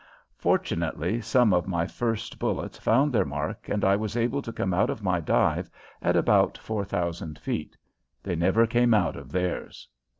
Fortunately, some of my first bullets found their mark and I was able to come out of my dive at about four thousand feet. They never came out of theirs!